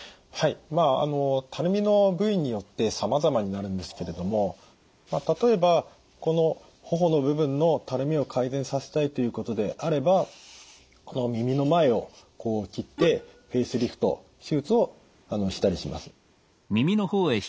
まあたるみの部位によってさまざまになるんですけれども例えばこの頬の部分のたるみを改善させたいということであればこの耳の前をこう切ってフェイスリフト手術をしたりします。